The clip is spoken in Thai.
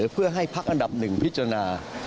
เพื่อให้พักอันดับ๑พิจารณา